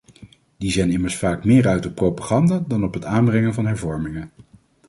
Die zijn immers vaak meer uit op propaganda dan op het aanbrengen van hervormingen.